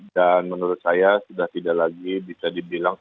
dan menurut saya sudah tidak lagi bisa dibilang